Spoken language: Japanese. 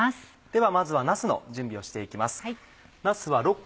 ではまずはなすの準備をして行きます。